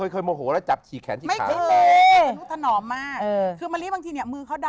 เคยโมโหแล้วจับฉี่แขนที่ขา